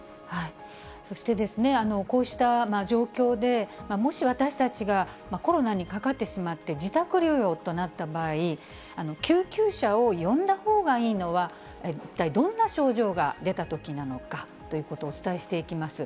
そしてですね、こうした状況で、もし私たちがコロナにかかってしまって、自宅療養となった場合、救急車を呼んだほうがいいのは、一体どんな症状が出たときなのかということをお伝えしていきます。